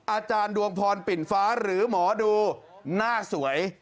อาจารย์ดวงพรปิ่นฟ้าหรือหมอดูหน้าสวย